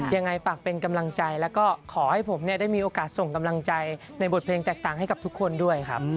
แล้วก็ขอให้ผมได้มีโอกาสส่งกำลังใจในบทเพลงแตกต่างให้กับทุกคนด้วยครับ